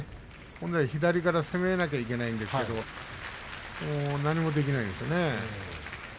左から本来攻めなければいけないんですけど何もできないですね。